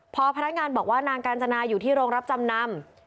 พอพนักงานบอกว่านางกาญจนาอยู่ที่โรงรับจำนำ